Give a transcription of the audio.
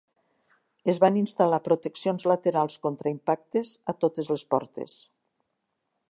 Es van instal·lar proteccions laterals contra impactes a totes les portes.